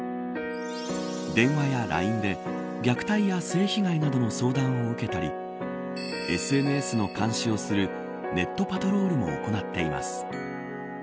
電話やＬＩＮＥで虐待や性被害などの相談を受けたりＳＮＳの監視をするネットパトロールも行っています。